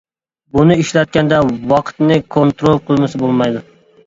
بۇنى ئىشلەتكەندە ۋاقىتنى كونترول قىلمىسا بولمايدۇ.